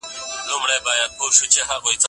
هغه څوک چي امادګي منظم وي،